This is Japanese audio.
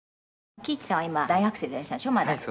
「貴一さんは今大学生でいらっしゃるんでしょ？